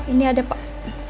ini ada pak